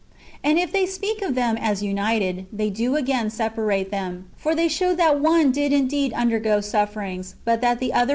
And if they speak of them as united, they do again separate them: for they show that one did indeed undergo sufferings, but that the other 1 Isa.